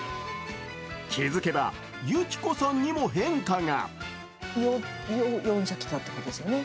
気づけばゆきこさんにも変化が。